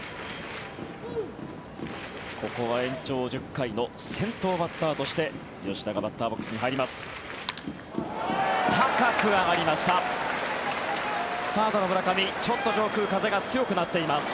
ここは延長１０回の先頭バッターとして吉田がバッターボックスに入ります。